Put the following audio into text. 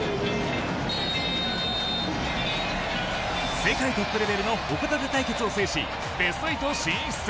世界トップレベルの矛盾対決を制しベスト８進出。